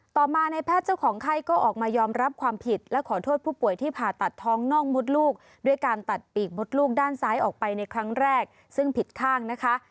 ต่อมาในแพทย์เจ้าของไข้ก็ออกมายอมรับความผิดและขอโทษผู้ป่วยที่ผ่าตัดท้องน่องมดลูกด้วยการตัดปีกมดลูกด้านซ้ายออกไปในครั้งแรกซึ่งผิดข้างนะคะ